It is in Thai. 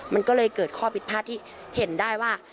มันก็เลยเกิดข้อผิดพลาดที่เห็นได้ว่า